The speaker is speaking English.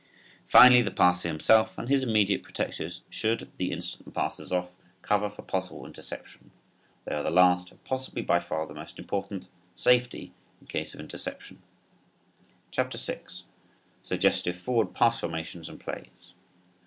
Finally the passer himself and his immediate protectors should, the instant the pass is off, cover for possible interception. They are the last and possibly by far the most important "safety" in case of interception. CHAPTER VI. SUGGESTIVE FORWARD PASS FORMATIONS AND PLAYS.